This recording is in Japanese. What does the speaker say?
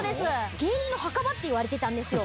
芸人の墓場って言われてたんですよ。